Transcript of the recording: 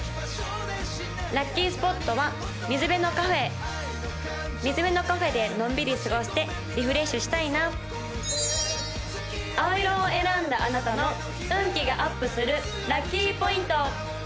・ラッキースポットは水辺のカフェ水辺のカフェでのんびり過ごしてリフレッシュしたいな青色を選んだあなたの運気がアップするラッキーポイント！